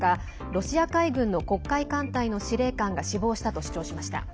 ロシア海軍の黒海艦隊の司令官が死亡したと主張しました。